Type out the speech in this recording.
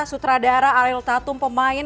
sutradara ariel tatum pemain